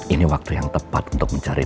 ini waktu yang tepat untuk mencari